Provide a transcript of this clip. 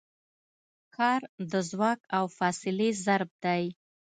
کار د ځواک او فاصلې ضرب دی.